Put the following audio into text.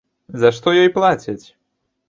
За што ёй плацяць?